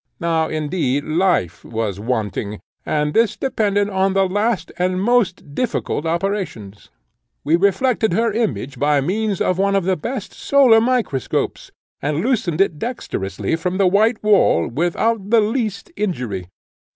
Now, indeed, life was wanting; and this depended on the last and most difficult operations. We reflected her image by means of one of the best solar microscopes, and loosened it dexterously from the white wall, without the least injury.